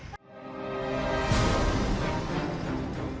khi phát judgment vamos